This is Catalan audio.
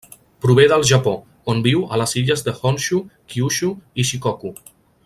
Prové del Japó, on viu a les illes de Honshū, Kyūshū i Shikoku.